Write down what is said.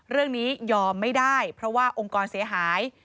เรื่องนี้ยอมไม่ได้เพราะว่าองค์กรเสียหาย